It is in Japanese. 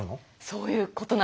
そういうことなんです。